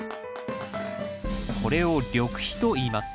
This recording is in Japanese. これを緑肥といいます。